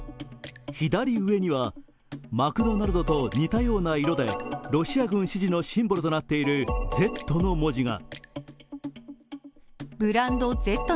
左上には、マクドナルドと似たような色でロシア軍支持のシンボルとなっている「Ｚ」の文字が。